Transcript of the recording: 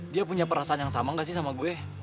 dia punya perasaan yang sama gak sih sama gue